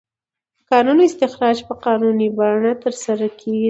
د کانونو استخراج په قانوني بڼه ترسره کیږي.